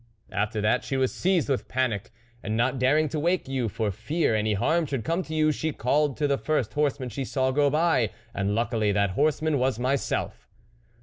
" After that she was seized with panic, and not daring to wake you, for fear any harm should come to you, she called to the first horseman she saw go by and luckily, that horseman was myself."